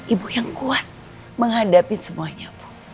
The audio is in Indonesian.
ibu yang kuat menghadapi semuanya